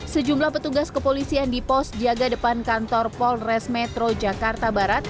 sejumlah petugas kepolisian di pos jaga depan kantor polres metro jakarta barat